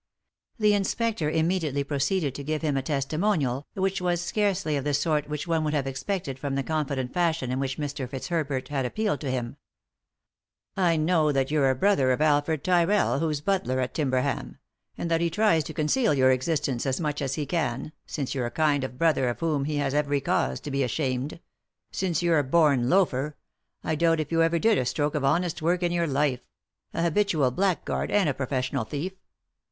The inspector immediately proceeded to give him a testimonial, which was scarcely of the sort which one would have expected from the confident fashion in which Mr. Fitzherbert had appealed to him. " I know that you're a brother of Alfred Tyrrell, who's butler at Timberham; and that he tries to conceal your existence as much as he can, since you're a kind of brother of whom he has every cause to be tned; since you're a born loafer — I doubt if you 320 3i 9 iii^d by Google THE INTERRUPTED KISS ever did a stroke of honest work in your life; a habitual blackguard, and a professional thief.